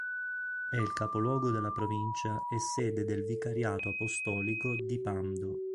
È il capoluogo della provincia e sede del vicariato apostolico di Pando.